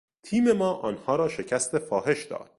تیم ما آنها را شکست فاحش داد.